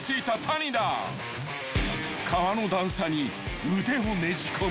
［川の段差に腕をねじ込む］